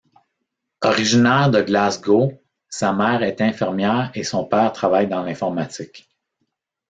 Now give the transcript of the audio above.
Originaires de Glasgow, sa mère est infirmière et son père travaille dans l’informatique.